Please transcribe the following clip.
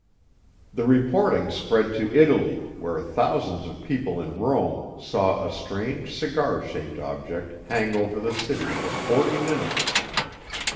The reporting spread to Italy, where thousands of people in Rome saw a strange cigar shaped object hang over the city for forty minutes.